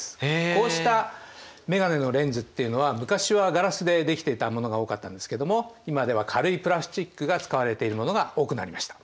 こうした眼鏡のレンズっていうのは昔はガラスでできていたものが多かったんですけども今では軽いプラスチックが使われているものが多くなりました。